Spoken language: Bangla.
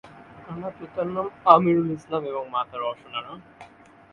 তার পিতার নাম "আমিরুল ইসলাম" এবং মাতা "রওশন আরা"।